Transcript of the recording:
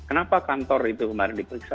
kenapa kantor itu kemarin diperiksa